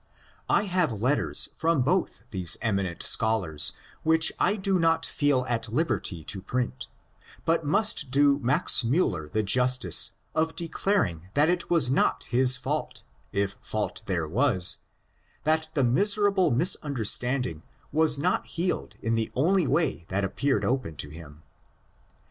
I have letters from both of these emi nent scholars which I do not feel at liberty to print, but must do Max Miiller the justice of declaring that it was not his fault, if fault there was, that the miserable misunderstanding was not healed in the only way that appeared open to him.